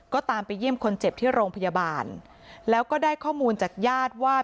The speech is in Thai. ก็ตามไปเยี่ยมคนเจ็บที่โรงพยาบาลแล้วก็ได้ข้อมูลจากญาติว่า